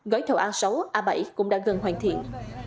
gói thầu a sáu a bảy cũng đã gần hoàn thiện